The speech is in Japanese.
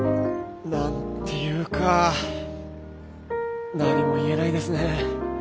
何て言うか何も言えないですねぇ。